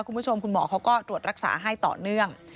คุณผู้ชมคุณหมอเขาก็ตรวจรักษาให้ต่อเนื่อง